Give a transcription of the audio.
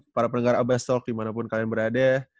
para pendengar abastol dimanapun kalian berada